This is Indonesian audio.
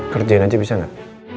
kerjain aja bisa gak